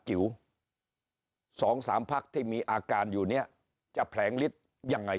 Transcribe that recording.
จิ๋วสองสามพักที่มีอาการอยู่เนี้ยจะแผลงลิสยังไง